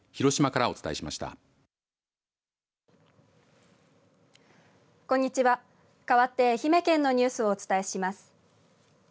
かわって愛媛県のニュースをお伝えします。